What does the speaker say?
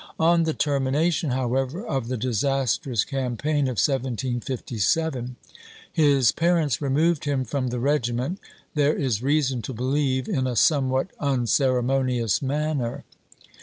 On the termination, however, of the disastrous campaign of 1757, his parents removed him from the regiment, there is reason to believe, in a somewhat unceremonious manner.